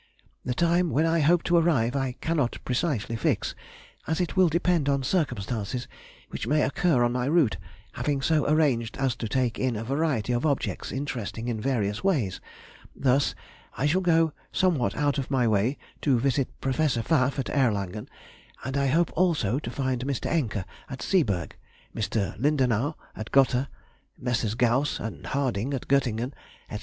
The time when I hope to arrive I cannot precisely fix, as it will depend on circumstances which may occur in my route, having so arranged as to take in a variety of objects interesting in various ways, thus:—I shall go somewhat out of my way to visit Professor Pfaff, at Erlangen, and I hope also to find Mr. Encke at Seeberg, Mr. Lindenau at Gotha, Messrs. Gauss and Harding at Göttingen, &c.